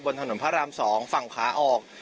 ถนนพระราม๒ฝั่งขาออก